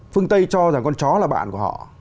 phương tây cho rằng con chó là bạn của họ